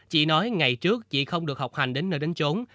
chị nói ngày trước chị không được học hành đến nơi đến trốn